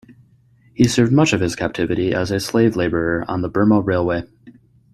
He served much of his captivity as a slave labourer on the Burma Railway.